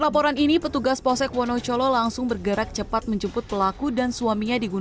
laporan ini petugas posek wonocolo langsung bergerak cepat menjemput pelaku dan suaminya